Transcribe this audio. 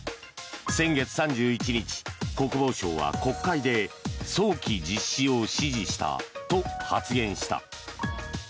先月３１日、国防相は国会で早期実施を指示したと発言した。